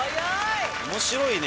面白いね